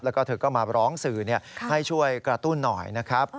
แล้วก็เธอก็มาร้องสื่อให้ช่วยกระตุ้นหน่อยนะครับ